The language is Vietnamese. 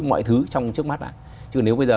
mọi thứ trong trước mắt chứ nếu bây giờ